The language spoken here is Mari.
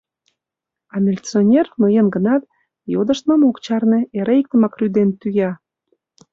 А милиционер, ноен гынат, йодыштмым ок чарне, эре иктымак рӱден тӱя: